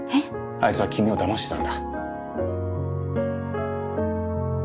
あいつは君をだましてたんだ。